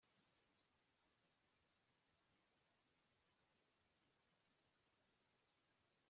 danyeri bamujugunye mu ryobo rw’ intare ntiza murya